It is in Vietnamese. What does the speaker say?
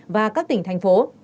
và các tỉnh thành phố